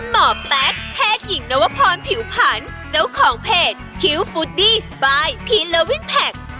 แม่บ้านพารวย